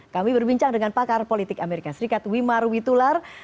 kami berbincang dengan pakar politik amerika serikat wimar witular